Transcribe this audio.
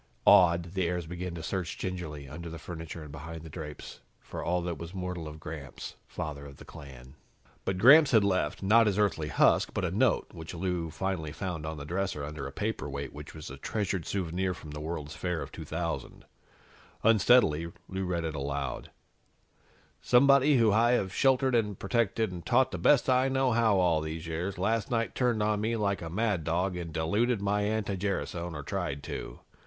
Awed, the heirs began to search gingerly, under the furniture and behind the drapes, for all that was mortal of Gramps, father of the clan. But Gramps had left not his Earthly husk but a note, which Lou finally found on the dresser, under a paperweight which was a treasured souvenir from the World's Fair of 2000. Unsteadily, Lou read it aloud: "'Somebody who I have sheltered and protected and taught the best I know how all these years last night turned on me like a mad dog and diluted my anti gerasone, or tried to.